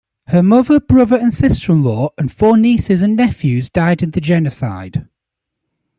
Her mother, brother and sister-in-law, and four nieces and nephews died in the genocide.